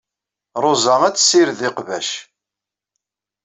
Ṛuza ad tessired iqbac.